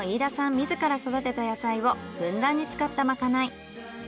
自ら育てた野菜をふんだんに使ったまかない。